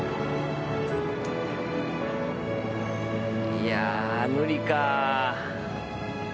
いや無理か。